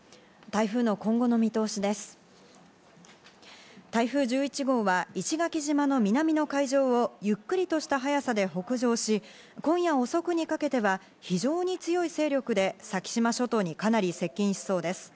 台風１１号は石垣島の南の海上をゆっくりとした速さで北上し、今夜遅くにかけては非常に強い勢力で先島諸島にかなり接近しそうです。